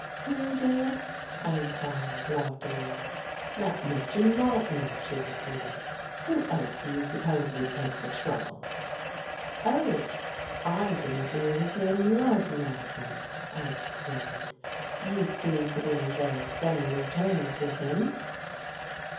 ''Who did?" I inquired loftily. "That Mr. Martin," she repeated. "Who else do you suppose would take the trouble?" "Oh! I didn't know his name was 'Martin,' " I explained. "You seem to be on very friendly terms with him."